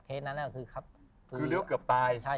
คือเร็วเกือบตาย